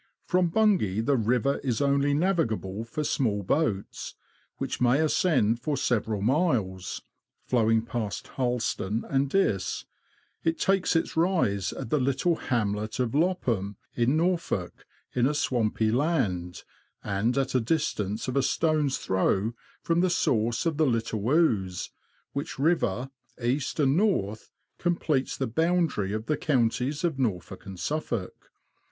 From Bungay the river is only navigable for small boats, which may ascend for several miles ; flowing past Harleston and Diss, it takes its rise at the little hamlet of Lopham, in Norfolk, in a swampy land, and at a distance of a THE LAND OF THE BROADS. stone's throw from the source of the Little Ouse, which river, east and north, completes the boundary of the counties of Norfolk and Suffolk.